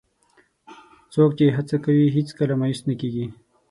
څوک چې هڅه کوي، هیڅکله مایوس نه کېږي.